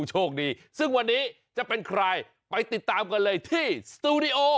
โชคดีซึ่งวันนี้จะเป็นใครไปติดตามกันเลยที่สตูดิโอ